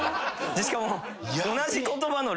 しかも。